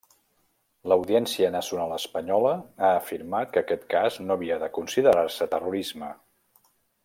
L'Audiència Nacional Espanyola ha afirmat que aquest cas no havia de considerar-se terrorisme.